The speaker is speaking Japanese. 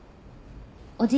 おじい